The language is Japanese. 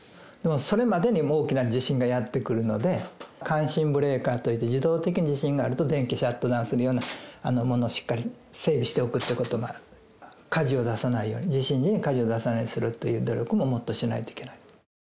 それまでに大きな地震がやって来るので、感震ブレーカーといって、自動的に地震があると、電気シャットダウンするようなものをしっかりと整備しておくということが、火事を出さないように、地震時に火事を出さないようにするという努力も、もっとしないといけない。